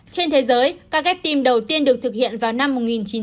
trên thế giới ca kép tim đầu tiên được thực hiện vào năm một nghìn chín trăm sáu mươi bảy